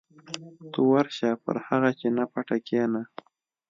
ته ورشه پر هغه چینه پټه کېنه.